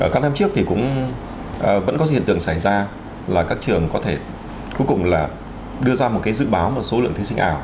các năm trước thì cũng vẫn có hiện tượng xảy ra là các trường có thể cuối cùng là đưa ra một cái dự báo một số lượng thí sinh ảo